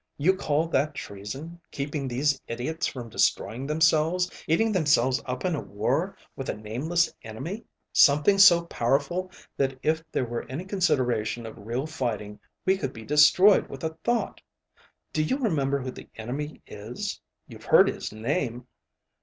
"You call that treason, keeping these idiots from destroying themselves, eating themselves up in a war with a nameless enemy, something so powerful that if there were any consideration of real fighting, we could be destroyed with a thought. Do you remember who the enemy is? You've heard his name.